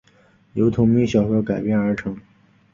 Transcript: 由同名小说改编而成。